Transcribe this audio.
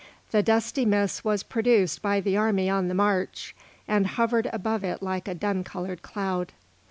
The dusty mist was produced by the army on the march, and hovered above it like a dun coloured cloud.